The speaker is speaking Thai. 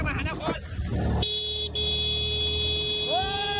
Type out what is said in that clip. ลงเร็วลงขวาออกแล้วลงเร็ว